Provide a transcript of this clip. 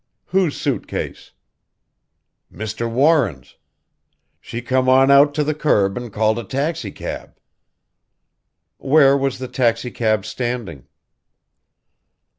"Whose suit case?" "Mr. Warren's. She come on out to the curb an' called a taxicab." "Where was the taxicab standing?"